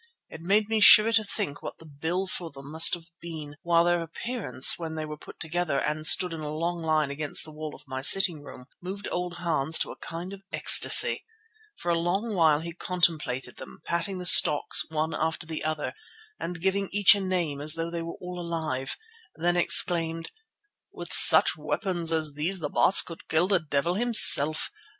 It made me shiver to think what the bill for them must have been, while their appearance when they were put together and stood in a long line against the wall of my sitting room, moved old Hans to a kind of ecstasy. For a long while he contemplated them, patting the stocks one after the other and giving to each a name as though they were all alive, then exclaimed: "With such weapons as these the Baas could kill the devil himself.